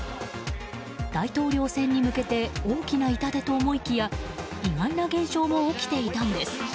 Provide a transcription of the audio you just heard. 大統領選に向けて大きな痛手と思いきや意外な現象も起きていたんです。